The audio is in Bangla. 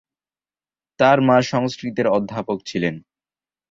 তার মা সংস্কৃতের অধ্যাপক ছিলেন।